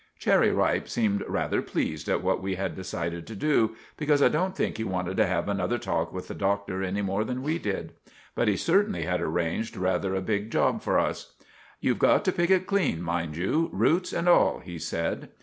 Cherry Ripe seemed rather pleased at what we had decided to do, because I don't think he wanted to have another talk with the Doctor any more than we did. But he certainly had arranged rather a big job for us. "You've got to pick it clean, mind you—roots and all," he said.